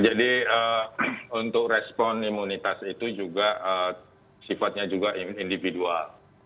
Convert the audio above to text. untuk respon imunitas itu juga sifatnya juga individual